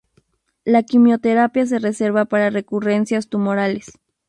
La quimioterapia se reserva para recurrencias tumorales.